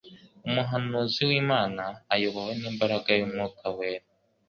umuhanuzi w'Imana. Ayobowe n'imbaraga y'Umwuka wera